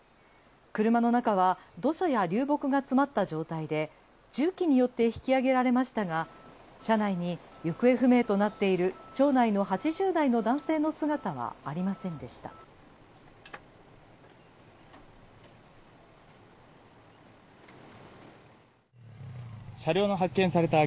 車の中は土砂や流木が詰まった状態で、重機によって引き上げられましたが、車内に行方不明となっている町内の８０代の男性の姿はありませんでした。